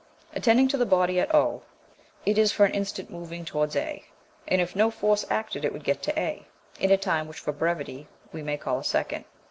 58.) Attending to the body at O, it is for an instant moving towards A, and if no force acted it would get to A in a time which for brevity we may call a second.